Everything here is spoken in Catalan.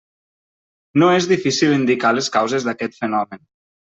No és difícil indicar les causes d'aquest fenomen.